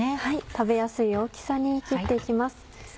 食べやすい大きさに切って行きます。